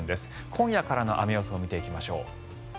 今夜からの雨予想を見ていきましょう。